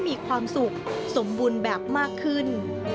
มีความสุขสมบูรณ์แบบมากขึ้น